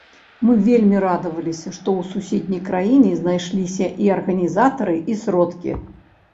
Мы вельмі радаваліся што ў суседняй краіне знайшліся і арганізатары і сродкі.